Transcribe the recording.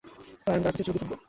তাই আমি তাঁর কাছে চির কৃতজ্ঞ।